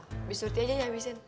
habis surti aja ya habisin